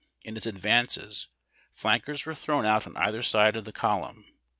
in its ad\ance, flankers were tlirovvii out on either side of the column.